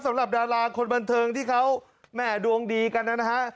สำหรับดาราคนบันเทิงที่เขาแหม่ดวงดีกันนะฮะ